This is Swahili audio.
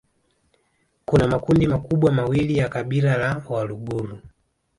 Kuna makundi makubwa mawili ya kabila la Waluguru